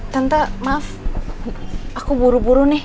tanta maaf aku buru buru nih